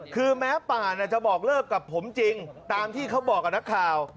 คือแม้ป่าจะบอกเลิกกับผมจริงตามที่เขาบอกกับนักข่าว